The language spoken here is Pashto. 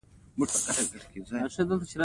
خاوره د کرنې بنسټ دی.